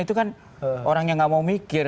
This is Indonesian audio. itu kan orang yang gak mau mikir